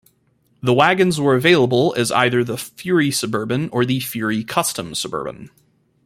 The wagons were available as either the Fury Suburban or Fury Custom Suburban.